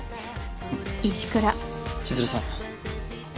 千鶴さん。